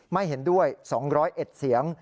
ไม่เห็นด้วย๒๐๑เสียง